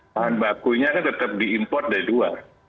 bahan bakunya kan tetap diimport dari luar